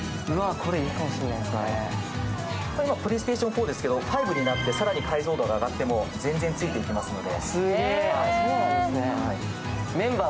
これ、今、プレステ４ですけど、５になって更に解像度が上がっても全然ついていけますので。